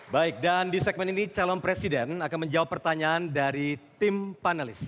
baik dan di segmen ini calon presiden akan menjawab pertanyaan dari tim panelis